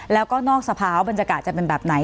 แล้วก็นอกสภาวบรรยากาศจะเป็นแบบไหน